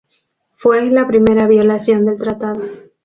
Fue la primera violación del tratado.